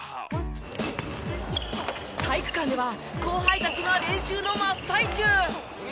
体育館では後輩たちが練習の真っ最中。